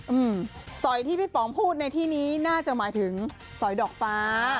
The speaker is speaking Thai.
อืมสอยที่พี่ป๋องพูดในที่นี้น่าจะหมายถึงสอยดอกฟ้า